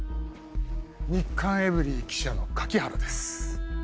『日刊エブリー』記者の柿原です。